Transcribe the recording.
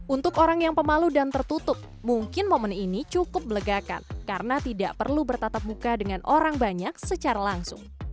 untuk orang yang pemalu dan tertutup mungkin momen ini cukup melegakan karena tidak perlu bertatap muka dengan orang banyak secara langsung